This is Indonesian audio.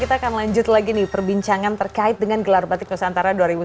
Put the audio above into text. kita akan lanjut lagi nih perbincangan terkait dengan gelar batik nusantara dua ribu dua puluh